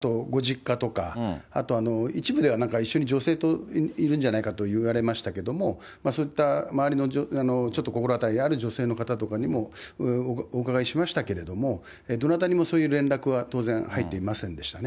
そういった中で、ご家族の、あと、ご実家とか、あと一部では一緒に女性といるんじゃないかといわれましたけれども、そういった周りのちょっと心当たりのある女性の方とかにもお伺いしましたけども、どなたにもそういう連絡は当然入っていませんでしたね。